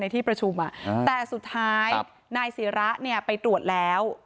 ที่ประชุมแต่สุดท้ายนายศิระเนี่ยไปตรวจแล้ว